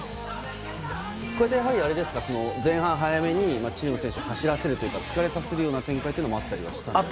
前半、早めにチリの選手を走らせるというか疲れさせるような戦略もあったりしたんですか？